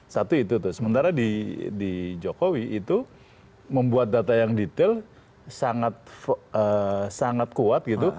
satu itu tuh sementara di jokowi itu membuat data yang detail sangat kuat gitu